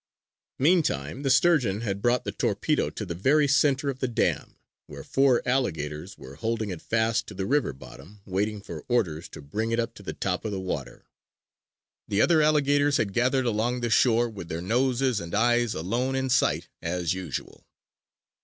Meantime the Sturgeon had brought the torpedo to the very center of the dam, where four alligators were holding it fast to the river bottom waiting for orders to bring it up to the top of the water. The other alligators had gathered along the shore, with their noses and eyes alone in sight as usual.